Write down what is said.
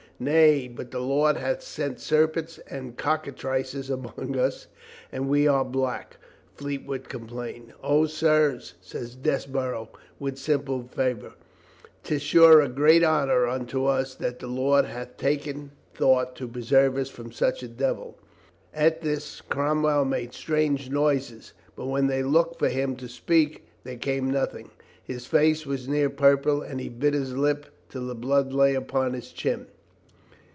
"Nay, but the Lord hath sent serpents and cockatrices among us and we are black," Fleetwood complained. "O, sirs," said Desborough, with simple fervor, "'tis sure a great honor unto us that the Lord hath taken thought to preserve us from such a devil." At this*Cromwell made strange noises, but when they looked for him to speak there came nothing. His face was near purple and he bit his lip till the blood lay upon his chin.